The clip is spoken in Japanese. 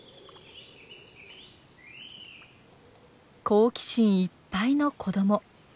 好奇心いっぱいの子ども。